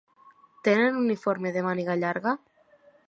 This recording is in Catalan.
Tenen uniforme de màniga llarga?